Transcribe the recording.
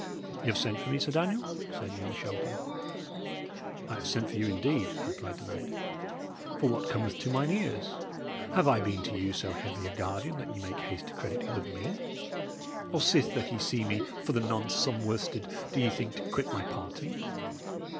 "Y' have sent for me, Sir Daniel?" said young Shelton. "I have sent for you, indeed," replied the knight. "For what cometh to mine ears? Have I been to you so heavy a guardian that ye make haste to credit ill of me? Or sith that ye see me, for the nonce, some worsted, do ye think to quit my party?